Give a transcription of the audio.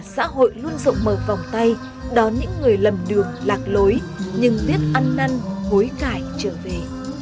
xã hội luôn rộng mở vòng tay đón những người lầm đường lạc lối nhưng biết ăn năn hối cải trở về